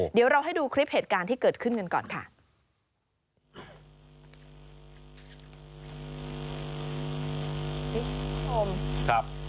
เดี๋ยวเราให้ดูคลิปเหตุการณ์ที่เกิดขึ้นกันก่อนค่ะ